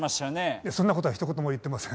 いやそんな事はひと言も言ってません。